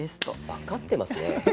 分かってますね。